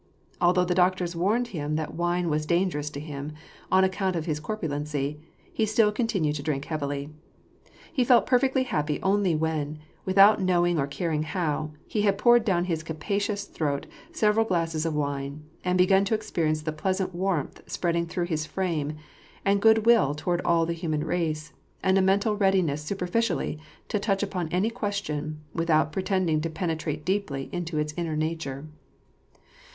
Although the doc tors warned him that wine was dangerous to him, on account of his corpulency, he still continued to drink heavily. He felt perfectly happy only when, without knowing or caring how, he had poured down his capacious throat several glasses of wine ; and begun to experience the pleasant warmth spreading through his frame, and good will toward all the human race, and a mental readiness superficially to touch upon any ques tion, without pretending to penetrate deeply into its inner nature.